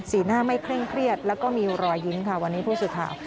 หน้าไม่เคร่งเครียดแล้วก็มีรอยยิ้มค่ะวันนี้ผู้สื่อข่าว